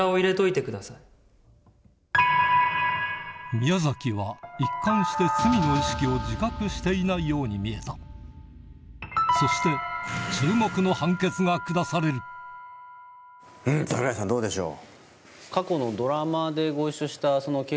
宮崎は一貫して罪の意識を自覚していないように見えたそして注目の判決が下される櫻井さんどうでしょう？